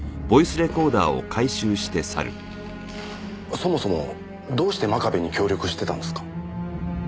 そもそもどうして真壁に協力してたんですか？